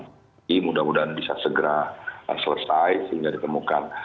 jadi mudah mudahan bisa segera selesai sehingga ditemukan